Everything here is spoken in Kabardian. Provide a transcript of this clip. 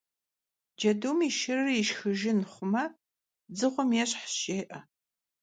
Cedum yi şşırır yişşxıjjın xhume, «dzığuem yêşhş» jjê'e.